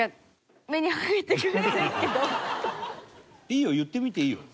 いいよ言ってみていいよ。